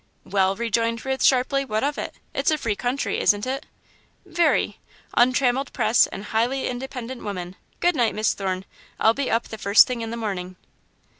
"Well," rejoined Ruth, sharply, "what of it? It's a free country, isn't it?" "Very. Untrammelled press and highly independent women. Good night, Miss Thorne. I'll be up the first thing in the morning."